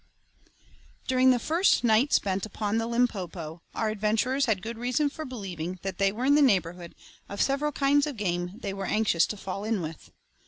During the first night spent upon the Limpopo our adventurers had good reason for believing that they were in the neighbourhood of several kinds of game they were anxious to fall in with.